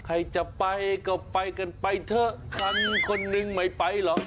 ใครจะไปก็ไปกันไปเถอะคันคนนึงไม่ไปหรอก